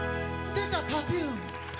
出た、パピューン。